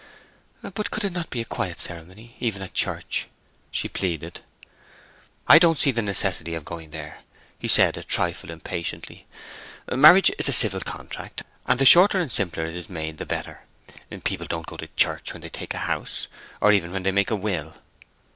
"But could it not be a quiet ceremony, even at church?" she pleaded. "I don't see the necessity of going there!" he said, a trifle impatiently. "Marriage is a civil contract, and the shorter and simpler it is made the better. People don't go to church when they take a house, or even when they make a will."